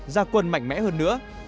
ra quân mạnh mẽ hơn nữa